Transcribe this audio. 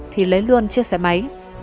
thì lấy luôn chiếc xe máy